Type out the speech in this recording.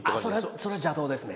それ邪道ですね。